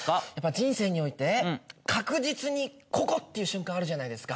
人生において確実にここっていう瞬間あるじゃないですか？